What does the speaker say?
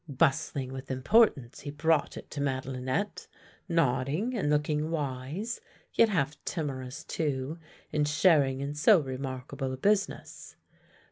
Bustling with importance he brought it to Madelinette, nodding and looking wise, yet half timorous too in sharing in so remarkable a business.